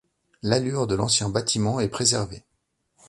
L'allure de l'ancien bâtiment est préservée.